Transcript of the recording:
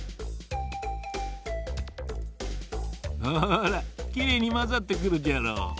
ほらきれいにまざってくるじゃろ。